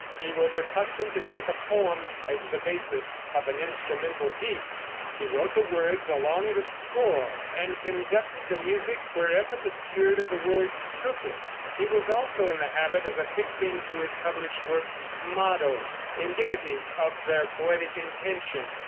He was accustomed to take a poem as the basis of an instrumental piece. He wrote the words along the score and conducted the music wherever the spirit of the words took it. He was also in the habit of affixing to his published works mottoes, indicative of their poetic intention.